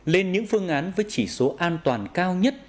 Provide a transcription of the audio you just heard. lên những phương án với chỉ số an toàn cao nhất